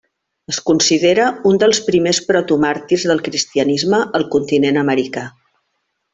Es considera un dels primers protomàrtirs del cristianisme al continent americà.